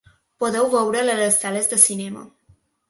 Podeu veure’l a les sales de cinema.